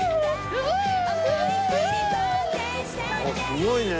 すごいね。